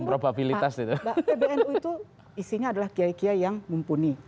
nah pbnu itu isinya adalah kia kia yang mumpuni